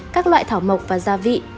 các loại thảo mộc và gia vị